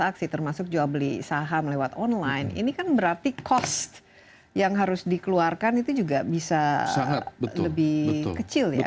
transaksi termasuk jual beli saham lewat online ini kan berarti cost yang harus dikeluarkan itu juga bisa lebih kecil ya